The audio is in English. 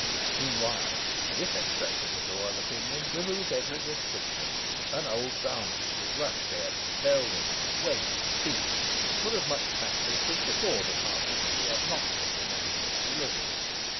Meanwhile, this expression of the royal opinion removed every restriction, and old sports and pastimes, May games, Whitsun ales, and morris dances, with rush bearings, bell ringings, wakes, and feasts, were as much practised as before the passing of the obnoxious enactment of Elizabeth.